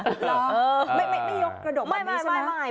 ไม่ยกกระดกแบบนี้ใช่ไหมไม่